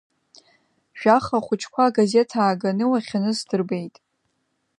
Жәаха ахәыҷқәа агазеҭ ааганы уахьаныз сдырбеит.